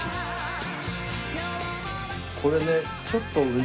これね。